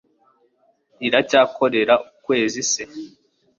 riracyakorera ukwezi se